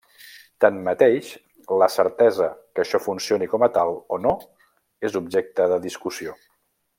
Tanmateix, la certesa que això funcioni com a tal o no és objecte de discussió.